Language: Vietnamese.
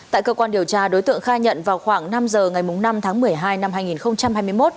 tại cơ quan điều tra đối tượng khai nhận vào khoảng năm giờ ngày năm tháng một mươi hai năm hai nghìn hai mươi một